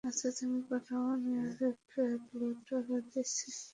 আচ্ছা তুমি পাঠাও, আমি আরেক প্লেট অর্ডার দিচ্ছি।